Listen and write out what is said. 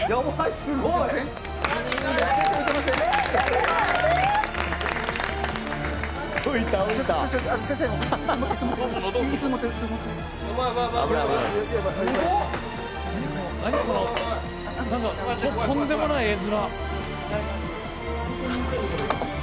すごい！とんでもない絵面。